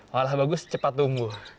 walau bagus cepat tumbuh